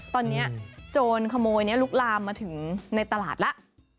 ตอนนี้โจรขโมยนี้ลุกลามมาถึงในตลาดแล้ว